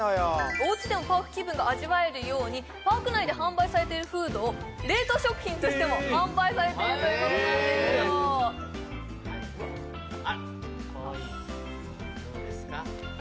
おうちでもパーク気分が味わえるようにパーク内で販売されているフードを冷凍食品としても販売されているということなんですよどうですか？